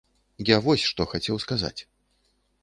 Я вось што хацеў сказаць.